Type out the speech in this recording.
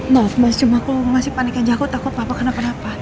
maaf mas cuma aku masih panik aja aku takut apa apa kenapa napa